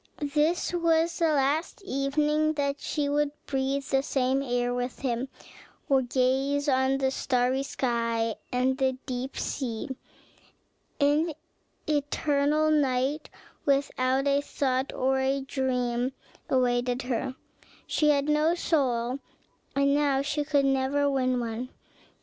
This was the last evening that she would breathe the same air with him, or gaze on the starry sky and the deep sea; an eternal night, without a thought or a dream, awaited her: she had no soul and now she could never win one.